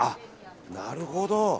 なるほど。